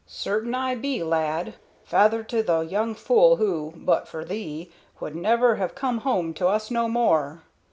"Certain I be, lad, feyther to the young fool who, but for thee, would never have come home to us no more.